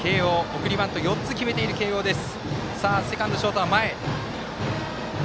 送りバント４つ決めている慶応です。